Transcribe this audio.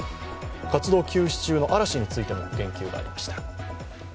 活動休止中の嵐についても言及がありました。